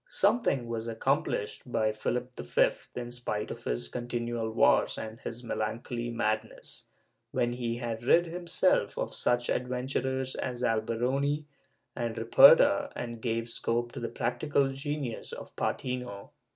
Something was accomplished by Philip V, in spite of his continual wars and his melancholy madness, when he had rid himself of such adventurers as Alberoni and Ripperda and gave scope to the practical genius of Patiiio.